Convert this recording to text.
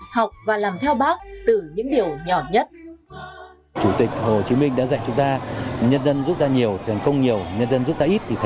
học và làm theo bác từ những điều nhỏ nhất